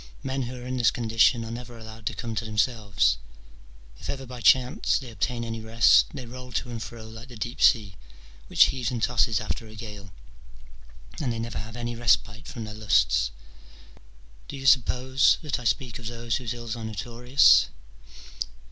Men who are in this condition are never allowed to come to themselves : if ever by chance they obtain any rest, they roll to and fro like the deep sea, which heaves and tosses after a gale, and they never have any respite from their lusts. Do you suppose that I speak of those whose ills are notorious